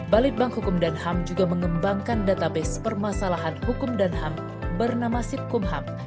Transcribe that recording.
balitbang hukum dan ham juga mengembangkan database permasalahan hukum dan ham bernama sitkum ham